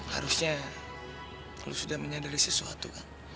harusnya lo sudah menyadari sesuatu kan